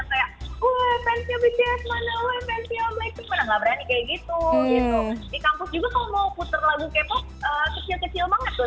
kayak ue pensiobetjess mana ue pensiobetjess mana gak berani kayak gitu gitu di kampus juga kalau mau puter lagu k pop kecil kecil banget tuh suaranya tuh